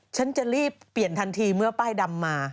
ฉันจะรีบเปลี่ยนทันทีเมื่อป้ายดำมา